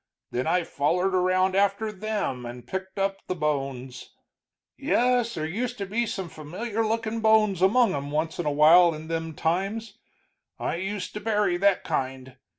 Then I follered around after them and picked up the bones. "Yes, there used to be some familiar lookin' bones among 'em once in a while in them times. I used to bury that kind.